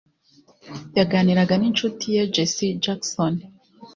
Yaganiraga ninshuti ye Jesse Jackson